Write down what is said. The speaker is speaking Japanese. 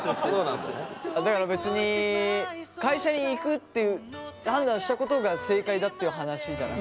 だから別に会社に行くっていう判断したことが正解だっていう話じゃない。